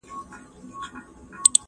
له لنډیو کفنونه محتسب لره ګنډمه `